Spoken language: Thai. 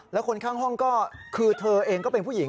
แล้วคนข้างห้องก็คือเธอเองก็เป็นผู้หญิง